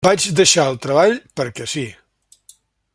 Vaig deixar el treball perquè sí.